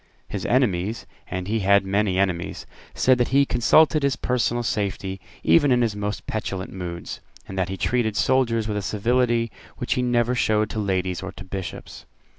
His enemies, and he had many enemies, said that he consulted his personal safety even in his most petulant moods, and that he treated soldiers with a civility which he never showed to ladies or to Bishops.